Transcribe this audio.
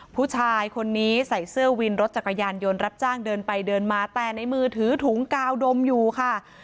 ผู้ชายคนนี้ใส่เสื้อวินรถจักรยานยนต์รับจ้างเดินไปเดินมาแต่ในมือถือถุงกาวดมอยู่ค่ะ